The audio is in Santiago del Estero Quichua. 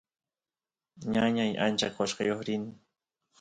ñañay achka qoshqeo rin